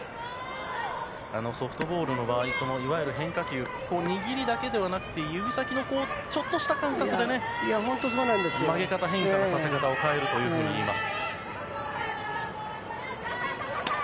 ソフトボールの場合変化球は握りだけではなくて指先のちょっとした感覚で曲げ方、変化でボールを変えるといいます。